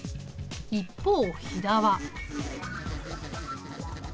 一方肥田は。